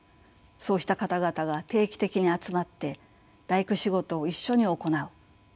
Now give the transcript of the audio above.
そうした方々が定期的に集まって大工仕事を一緒に行う。